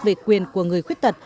về quyền của người khuyết tật